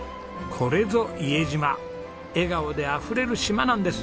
これぞ伊江島笑顔であふれる島なんです。